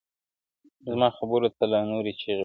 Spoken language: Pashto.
زما خبرو ته لا نوري چیغي وکړه.